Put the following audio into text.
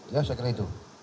ya saya kira itu